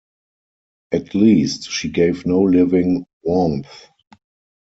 At least, she gave no living warmth.